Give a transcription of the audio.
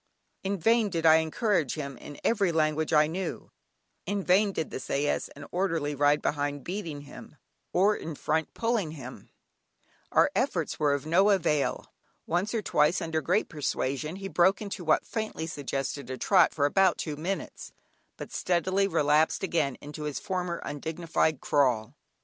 In vain did I encourage him in every language I knew, in vain did the sais and orderly ride behind beating him, or in front pulling him, our efforts were of no avail. Once or twice, under great persuasion, he broke into what faintly suggested a trot, for about two minutes, but speedily relapsed again into his former undignified crawl.